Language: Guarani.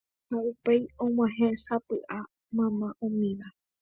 ha upéi og̃uahẽ sapy'a mama umíva.